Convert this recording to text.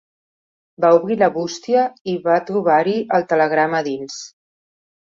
Va obrir la bústia i va trobar-hi el telegrama a dins.